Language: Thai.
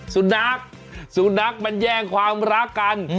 สุนัขสุนัขมันแย่งความรักกัน